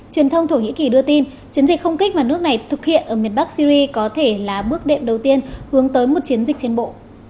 truyền thông thổ nhĩ kỳ đưa tin chiến dịch không kích mà nước này thực hiện ở miền bắc syri có thể là bước đệm đầu tiên hướng tới một chiến dịch trên bộ